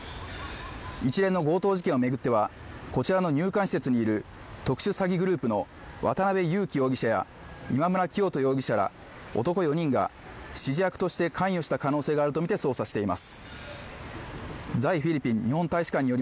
一連の強盗事件を巡ってはこちらの入管施設にいる特殊詐欺グループの渡辺優樹容疑者や今村磨人容疑者ら男４人が指示役として関与した可能性があるとみて捜査しています